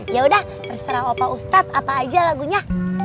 yaudah terserah opa ustadz apa aja lagunya